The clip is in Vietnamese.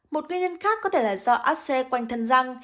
một nguyên nhân khác có thể là do áp xe quanh thân răng